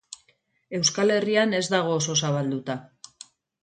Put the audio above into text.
Euskal Herrian ez dago oso zabalduta.